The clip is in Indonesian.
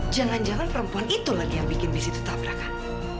jangan jangan perempuan itulah yang bikin bis itu tabrakan